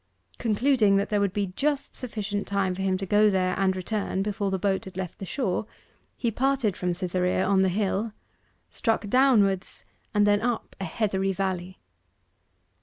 Concluding that there would be just sufficient time for him to go there and return before the boat had left the shore, he parted from Cytherea on the hill, struck downwards, and then up a heathery valley.